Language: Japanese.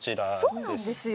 そうなんですよ。